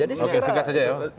jadi singkat saja ya